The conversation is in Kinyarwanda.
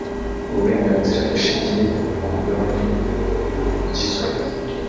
uburenganzira bushingiye ku mugabane bugizwe